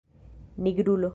nigrulo